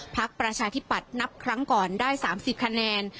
ประชาธิปัตย์นับครั้งก่อนได้๓๐คะแนน